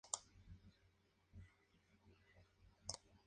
Por el contrario, buscaron apoyo en el Imperio parto.